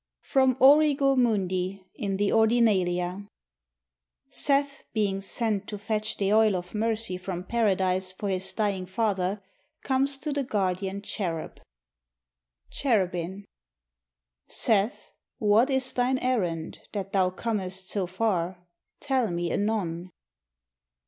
FROM 'ORIGO MUNDI,' IN THE 'ORDINALIA' [Seth, being sent to fetch the oil of mercy from Paradise for his dying father, comes to the guardian cherub.] Cherubin Seth, what is thine errand, That thou comest so far? Tell me anon.